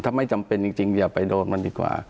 ถ้าไม่จำเป็นจริงอย่าไปโดนมันดีกว่า